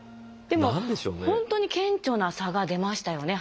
でもほんとに顕著な差が出ましたよね